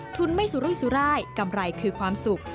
ทุนไม่สุรุยสุรายกำไรคือความสุข